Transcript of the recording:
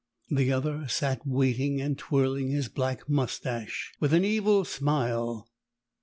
The other sat waiting and twirling his black moustache, with an evil smile.